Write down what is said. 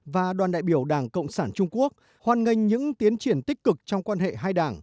và đoàn đại biểu đảng cộng sản trung quốc hoan nghênh những tiến triển tích cực trong quan hệ hai đảng